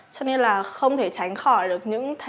ví dụ như là không thể tránh khỏi được